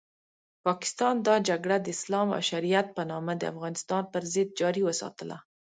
پاکستان دا جګړه د اسلام او شریعت په نامه د افغانستان پرضد جاري وساتله.